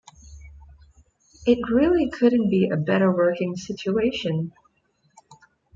It really couldn't be a better working situation.